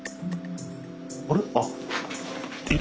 あれ？